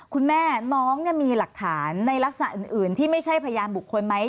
คุณแม่น้องมีหลักฐานในลักษณะอื่นที่ไม่ใช่พยานบุคคลไหม